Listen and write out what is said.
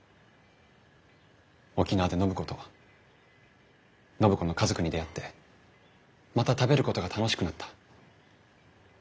沖縄で暢子と暢子の家族に出会ってまた食べることが楽しくなった。